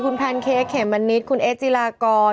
คุณแพนเค้กเขมมะนิดคุณเอ๊จิลากร